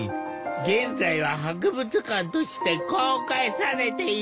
現在は博物館として公開されている。